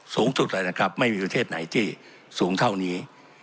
สูงสุดเลยนะครับไม่มีประเทศไหนที่สูงเท่านี้